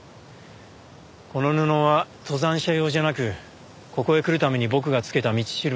この布は登山者用じゃなくここへ来るために僕がつけた道しるべです。